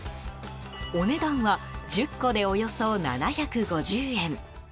お値段は１０個でおよそ７５０円。